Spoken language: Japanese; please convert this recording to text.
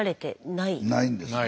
ないですね。